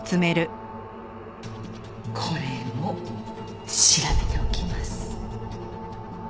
これも調べておきます。